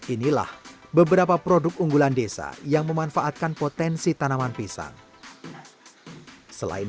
inilah beberapa produk unggulan desa yang memanfaatkan potensi tanaman pisang selain